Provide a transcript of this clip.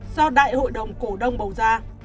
do đại hội đồng cổ đông bầu ra